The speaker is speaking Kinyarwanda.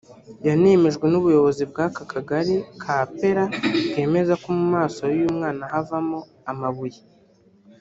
yanemejwe n’ubuyobozi bw’aka kagari ka Pera bwemeza ko mu maso y’ uyu mwana bavamo amabuye